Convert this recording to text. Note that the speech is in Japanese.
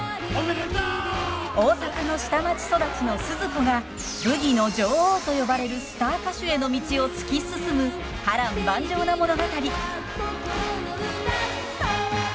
大阪の下町育ちのスズ子がブギの女王と呼ばれるスター歌手への道を突き進む波乱万丈な物語。へいっ！